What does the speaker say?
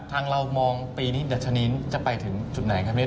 ทางเรามองปีนี้จะไปถึงจุดไหนครับเมฆ